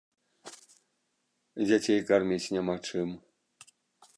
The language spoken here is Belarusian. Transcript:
Дзяцей карміць няма чым.